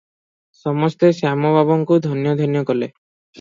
ସମସ୍ତେ ଶ୍ୟାମ ବାବୁଙ୍କୁ ଧନ୍ୟ ଧନ୍ୟ କଲେ ।